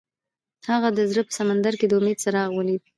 هغه د زړه په سمندر کې د امید څراغ ولید.